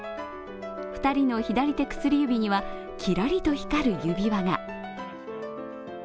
２人の左手薬指には、きらりと光指輪が。